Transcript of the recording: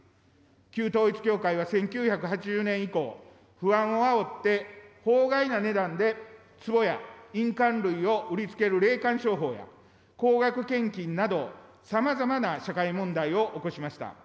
旧統一教会は１９８０年以降、不安をあおって法外な値段でつぼや印鑑類を売りつける霊感商法や高額献金など、さまざまな社会問題を起こしました。